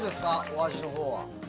お味のほうは。